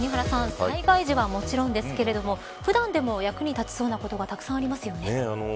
災害時は、もちろんですが普段でも役に立ちそうなことがたくさんありますよね。